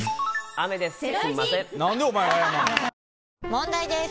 問題です！